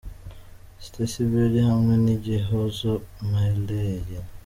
Stecy Belly hamwe na Igihozo Miley.